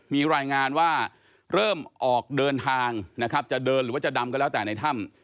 มีรายงานว่าเริ่มออกเดินทางนะครับจะเดินหรือว่าจะดำก็แล้วแต่ในถ้ำ